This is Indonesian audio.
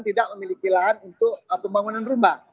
tidak memiliki lahan untuk pembangunan rumah